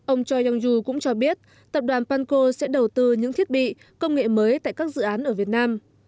ông choi yong yu cũng cho biết tập đoàn panco sẽ đầu tư những thiết bị công nghệ mới tại các dự án ở việt nam